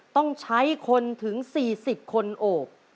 ต้องใช้คนถึง๔๐คนโอบ